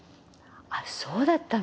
あっそうだったの？